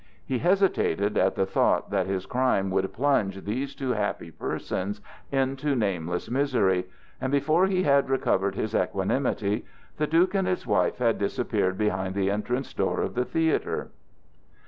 He hesitated at the thought that his crime would plunge these two happy persons into nameless misery, and before he had recovered his equanimity, the Duke and his wife had disappeared behind the entrance door of the theatre.